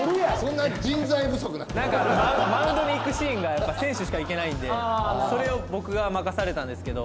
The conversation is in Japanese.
なんかマウンドに行くシーンが選手しか行けないんでそれを僕が任されたんですけど